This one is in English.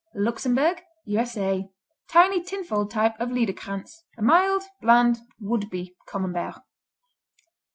Luxembourg U.S.A. Tiny tin foiled type of Liederkranz. A mild, bland, would be Camembert.